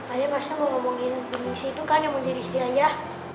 ayah pasti mau ngomongin bindingsi itu kan yang mau jadi istri ayah